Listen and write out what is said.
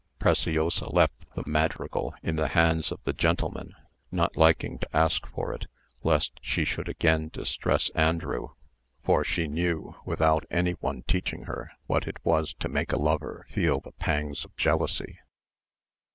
Preciosa left the madrigal in the hands of the gentleman, not liking to ask for it, lest she should again distress Andrew; for she knew, without any one teaching her, what it was to make a lover feel the pangs of jealousy.